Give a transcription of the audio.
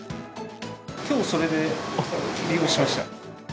きょう、それで利用しました。